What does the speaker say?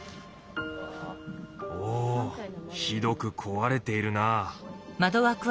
おおひどくこわれているなあ。